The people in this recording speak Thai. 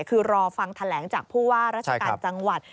คือรอฟังแถลงจากผู้ว่าราชการจังหวัด